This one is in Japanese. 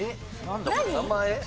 名前？